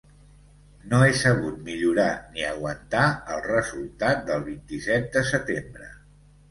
No he sabut millorar ni aguantar el resultat del vint-i-set de setembre.